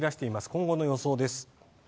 今後の予想です。